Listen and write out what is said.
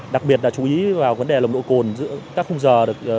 đặc biệt là chú ý vào vấn đề nồng độ cồn giữa các khung giờ